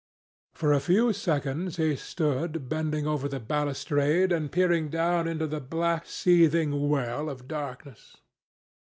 For a few seconds he stood bending over the balustrade and peering down into the black seething well of darkness.